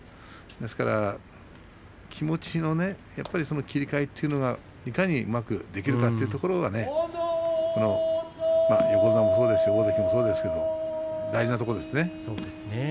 ですから気持ちの切り替えというのがいかにうまくできるかというのが横綱もそうですし大関もそうですけれども大事なところですね。